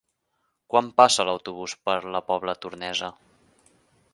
Quan passa l'autobús per la Pobla Tornesa?